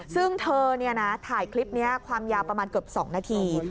ซึ่งเธอถ่ายคลิปนี้ความยาวประมาณเกือบ๒นาที